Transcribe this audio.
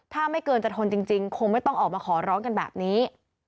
ถ้าไม่เกินจะทนจริงคงไม่ต้องออกมาขอร้องกันแบบนี้